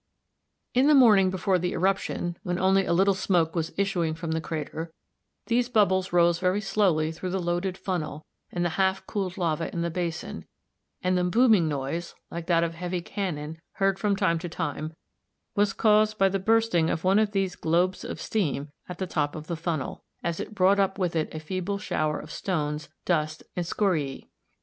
In the morning before the eruption, when only a little smoke was issuing from the crater, these bubbles rose very slowly through the loaded funnel and the half cooled lava in the basin, and the booming noise, like that of heavy cannon, heard from time to time, was caused by the bursting of one of these globes of steam at the top of the funnel, as it brought up with it a feeble shower of stones, dust, and scoriæ.